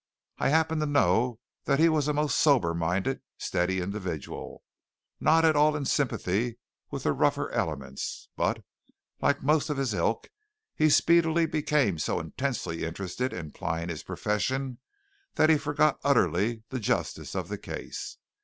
I happen to know that he was a most sober minded, steady individual, not at all in sympathy with the rougher elements; but, like most of his ilk, he speedily became so intensely interested in plying his profession that he forgot utterly the justice of the case.